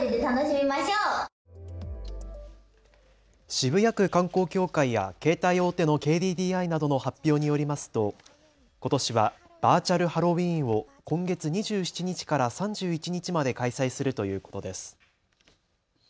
渋谷区観光協会や携帯大手のＫＤＤＩなどの発表によりますとことしはバーチャルハロウィーンを今月２７日から３１日まで開催するということです。